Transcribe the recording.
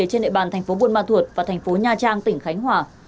trên địa bàn tp bù ma thuật và tp nha trang tỉnh khánh hòa